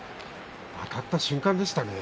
あたった瞬間でしたね。